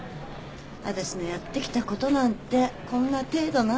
私のやってきたことなんてこんな程度なんですかね。